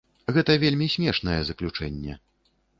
Гэта вельмі смешнае заключэнне.